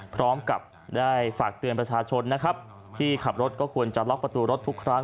พร้อมกับได้ฝากเตือนประชาชนนะครับที่ขับรถก็ควรจะล็อกประตูรถทุกครั้ง